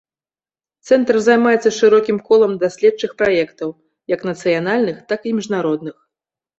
Цэнтр займаецца шырокім колам даследчых праектаў, як нацыянальных, так і міжнародных.